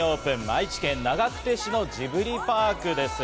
愛知県長久手市のジブリパークです。